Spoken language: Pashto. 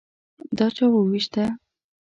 _دا چا ووېشته؟